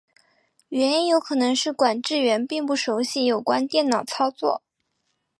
原因有可能是管制员并不熟习有关电脑操作。